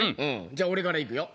じゃあ俺からいくよ。